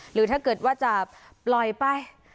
หรือถ้าเกิดว่าจะปล่อยไป